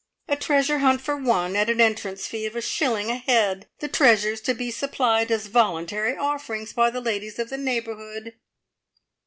"A treasure hunt for one, at an entrance fee of a shilling a head. The treasures to be supplied as voluntary offerings by the ladies of the neighbourhood."